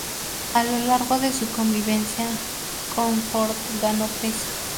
A lo largo de su convivencia, Cornforth ganó peso.